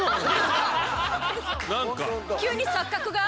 急に錯覚が？